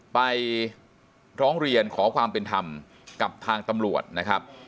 ไปร้องเรียนขอความเป็นธรรมกับทางตำรวจนะครับ